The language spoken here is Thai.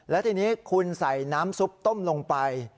แล้วทีนี้คุณใส่น้ำซุปต้มลงไป